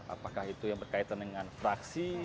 apakah itu yang berkaitan dengan fraksi